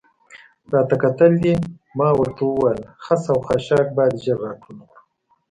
راته کتل دې؟ ما ورته وویل: خس او خاشاک باید ژر را ټول کړو.